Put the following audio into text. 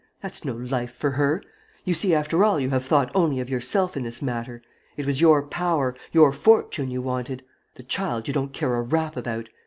That's no life for her! ... You see, after all, you have thought only of yourself in this matter. It was your power, your fortune you wanted. The child you don't care a rap about.